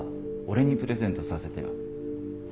俺にプレゼントさせてよ。